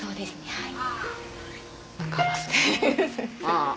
はい。